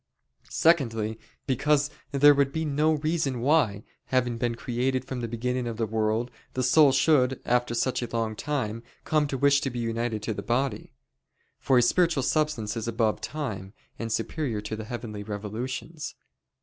Secondly, because there would be no reason why, having been created from the beginning of the world, the soul should, after such a long time, come to wish to be united to the body. For a spiritual substance is above time, and superior to the heavenly revolutions.